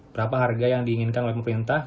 berapa harga yang diinginkan oleh pemerintah